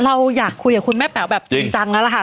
เราอยากคุยกับคุณแม่แป๋วแบบจริงจังแล้วล่ะค่ะ